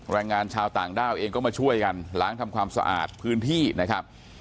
แรงงานชาวต่างด้าวเองก็มาช่วยกันล้างทำความสะอาดพื้นที่นะครับ